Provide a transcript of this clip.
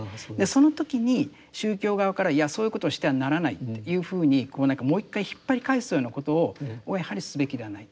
その時に宗教側からいやそういうことをしてはならないというふうにもう一回引っ張り返すようなことをやはりすべきではない。